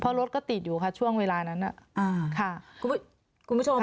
เพราะรถก็ติดอยู่ค่ะช่วงเวลานั้นน่ะอ่าค่ะคุณผู้ชม